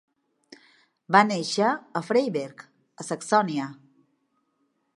Va néixer a Freiberg, a Saxònia.